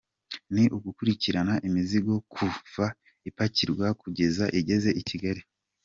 Ni ugukurikirana imizigo kuva ipakirwa, kugeza igeze i Kigali.